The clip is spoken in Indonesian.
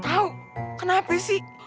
tau kenapa sih